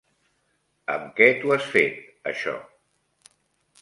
Amb què t'ho has fet, això?